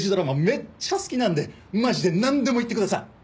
めっちゃ好きなんでマジでなんでも言ってください。